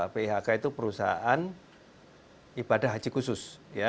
pihk itu perusahaan ibadah haji khusus